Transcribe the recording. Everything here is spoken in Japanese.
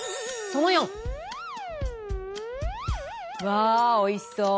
わあおいしそう。